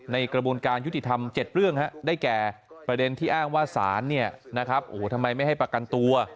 กระบวนการยุติธรรม๗เรื่องได้แก่ประเด็นที่อ้างว่าศาลทำไมไม่ให้ประกันตัว